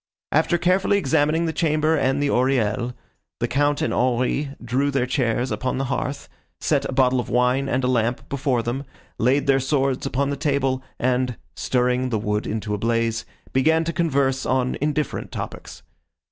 After carefully examining the chamber and the oriel, the Count and Henri drew their chairs upon the hearth, set a bottle of wine and a lamp before them, laid their swords upon the table, and, stirring the wood into a blaze, began to converse on indifferent topics.